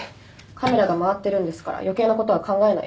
カメラが回ってるんですから余計なことは考えないで。